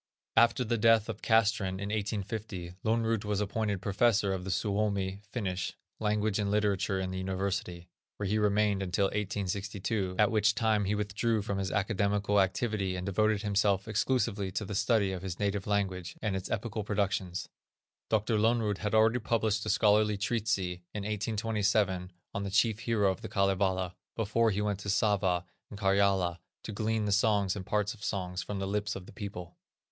After the death of Castrén in 1850, Lönnrot was appointed professor of the Suomi (Finnish) language and literature in the University, where he remained until 1862, at which time he withdrew from his academical activity and devoted himself exclusively to the study of his native language, and its epical productions. Dr. Lönnrot had already published a scholarly treatise, in 1827, on the chief hero of the Kalevala, before he went to Sava and Karjala to glean the songs and parts of songs front the lips of the people.